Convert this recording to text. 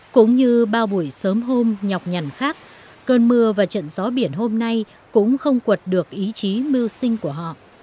cũng như bao buổi sớm hôm nhọc nhằn khác cơn mưa và trận gió biển hôm nay cũng không quật được ý chí mưu sinh của họ